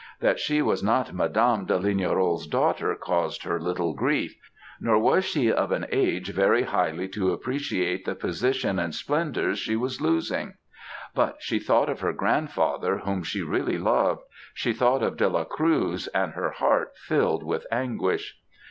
That she was not Mdme. de Lignerolles' daughter caused her little grief, nor was she of an age very highly to appreciate the position and splendours she was losing; but she thought of her grandfather, whom she really loved; she thought of De la Cruz, and her heart filled with anguish.